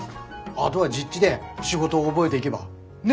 あどは実地で仕事を覚えでいげば。ね？